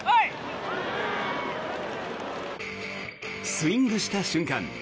スイングした瞬間